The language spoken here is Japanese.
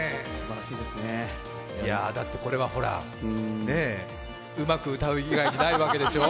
だって、これはうまく歌う以外にないわけでしょう？